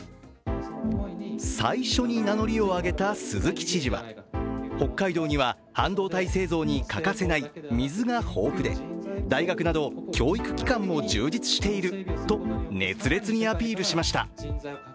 最初に名乗りを上げた鈴木知事は、北海道には半導体製造に欠かせない水が豊富で大学など、教育機関も充実していると熱烈にアピールしました。